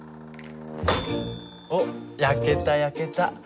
おっ焼けた焼けた。